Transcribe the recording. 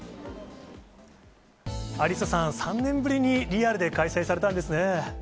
アリッサさん、３年ぶりにリアルで開催されたんですね。